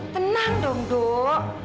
tenang dong dok